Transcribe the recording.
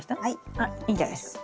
あっいいんじゃないですか。